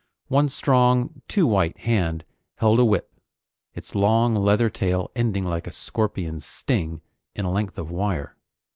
One strong, too white hand held a whip, its long leather tail ending like a scorpion's sting, in a length of wire.